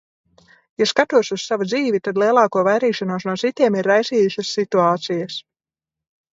Ja skatos uz savu dzīvi, tad lielāko vairīšanos no citiem ir raisījušas situācijas.